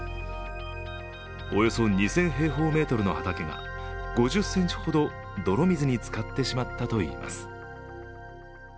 およそ２０００平方メートルの畑が５０ｃｍほど泥水につかってしまったといいます。